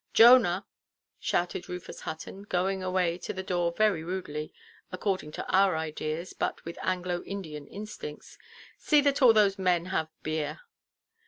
"Jonah," shouted Rufus Hutton, going away to the door very rudely (according to our ideas, but with Anglo–Indian instincts), "see that all those men have beer."